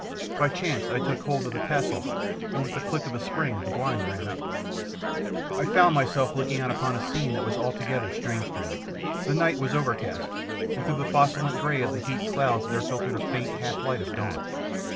By chance I took hold of the tassel, and with the click of a spring the blind ran up. I found myself looking out upon a scene that was altogether strange to me. The night was overcast, and through the flocculent grey of the heaped clouds there filtered a faint half light of dawn.